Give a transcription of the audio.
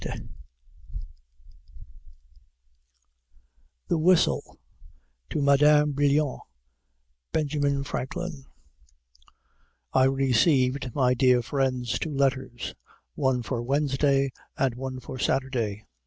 THE WHISTLE TO MADAME BRILLON BENJAMIN FRANKLIN I received my dear friend's two letters, one for Wednesday and one for Saturday.